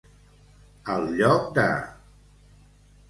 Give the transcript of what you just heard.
Al lloc de.